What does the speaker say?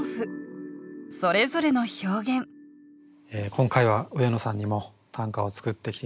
今回は上野さんにも短歌を作ってきて頂きました。